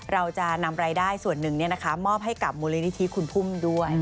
เราจะนำรายได้ส่วนหนึ่งมอบให้กับมูลนิธิคุณพุ่มด้วย